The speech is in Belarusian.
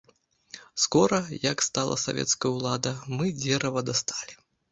Скора, як стала савецкая ўлада, мы дзерава дасталі.